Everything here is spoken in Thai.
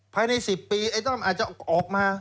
ภายใน๑๐ปีไอ้ต้อมอาจจะออกมา